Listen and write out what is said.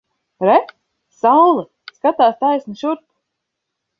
Re! Saule! Skatās taisni šurp!